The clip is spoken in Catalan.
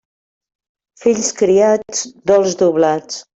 Fills criats, dols doblats.